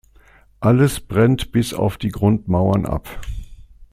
Alles brennt bis auf die Grundmauern ab.